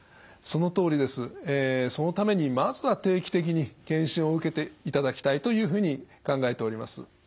そのためにまずは定期的に検診を受けていただきたいというふうに考えております。